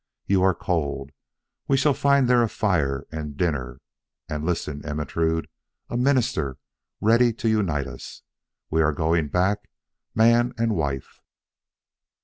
"You are cold; we shall find there a fire, and dinner and Listen, Ermentrude, a minister ready to unite us. We are going back, man and wife."